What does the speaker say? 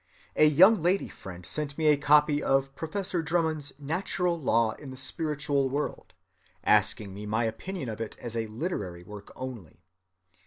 A young lady friend sent me a copy of Professor Drummond's Natural Law in the Spiritual World, asking me my opinion of it as a literary work only.